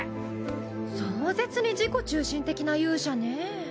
壮絶に自己中心的な勇者ね。